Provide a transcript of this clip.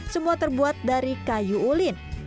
semua terbuat dari kayu ulin